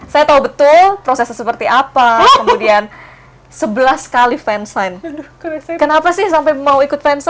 saya tahu betul prosesnya seperti apa kemudian sebelas kali fansign kenapa sih sampai mau ikut fansi